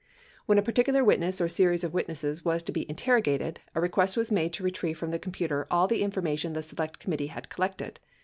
When a particular witness or series of witnesses was to be interro gated, a request was made to retrieve from the computer all the infor mation the Select Committee had collected.